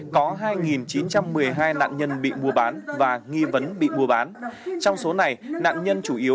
có hai chín trăm một mươi hai nạn nhân bị mua bán và nghi vấn bị mua bán trong số này nạn nhân chủ yếu